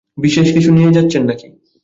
বিশেষ কিছু নিয়ে যাচ্ছেন নাকি?